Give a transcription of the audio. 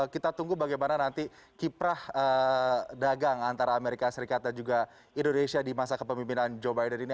kita tunggu bagaimana nanti kiprah dagang antara amerika serikat dan juga indonesia di masa kepemimpinan joe biden ini